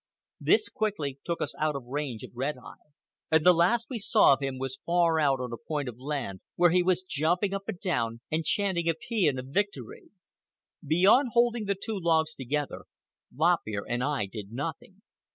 This quickly took us out of range of Red Eye, and the last we saw of him was far out on a point of land, where he was jumping up and down and chanting a paean of victory. Beyond holding the two logs together, Lop Ear and I did nothing.